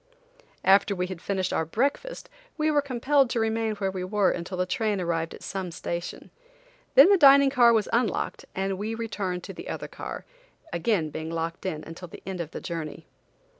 After we had finished our breakfast we were compelled to remain where we were until the train arrived at some station. Then the dining car was unlocked and we returned to the other car, being again locked in until the end of our journey.